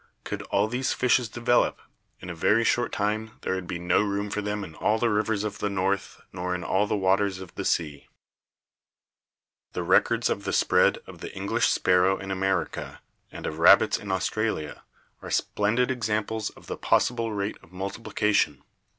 Could all these fishes develop, in a very short time there would be no room for them in all the rivers of the North nor in all the waters of the sea." The records of the spread of the English sparrow in America and of rabbits in Australia are splendid examples FACTORS OF EVOLUTION— SELECTION 189 of the possible rate of multiplication.